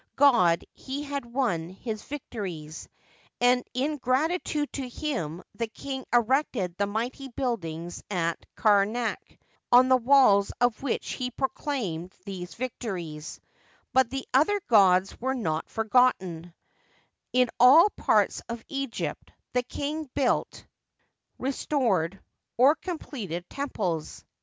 Digitized byCjOOQlC THE NEW EMPIRE, 77 fod he had won his victories ; and in gratitude to him the ing erected the mighty building^ at Kamak, on the walls of which he proclaimed these victories. But the other gods were not forgotten ; in all parts of Egypt the king built, restored, or completed temples.